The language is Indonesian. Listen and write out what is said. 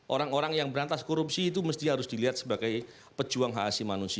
orang orang yang berantas korupsi itu mesti harus dilihat sebagai pejuang hak asli manusia